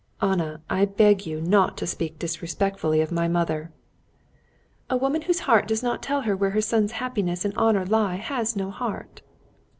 "Anna, I beg you not to speak disrespectfully of my mother." "A woman whose heart does not tell her where her son's happiness and honor lie has no heart."